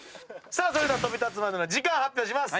それでは飛び立つまでの時間発表します。